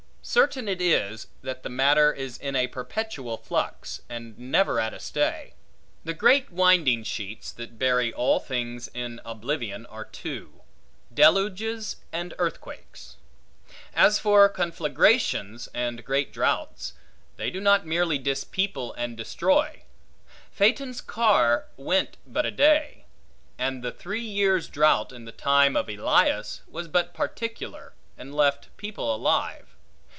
Certain it is, that the matter is in a perpetual flux, and never at a stay. The great winding sheets, that bury all things in oblivion, are two; deluges and earthquakes. As for conflagrations and great droughts, they do not merely dispeople and destroy. Phaeton's car went but a day. And the three years' drought in the time of Elias, was but particular, and left people alive.